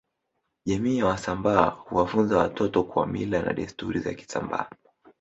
Jamii ya wasambaa huwafunza watoto kwa Mila na desturi za kisambaa